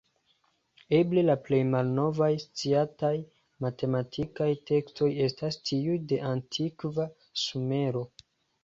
Eble la plej malnovaj sciataj matematikaj tekstoj estas tiuj de antikva Sumero.